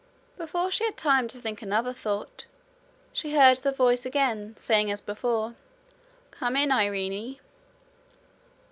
Before she had time to think another thought, she heard her voice again, saying as before: 'Come in, Irene.'